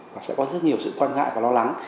và sẽ có rất nhiều sự quan ngại và lo lắng